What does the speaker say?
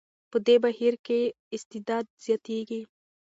په دې بهیر کې اسیدیت زیاتېږي.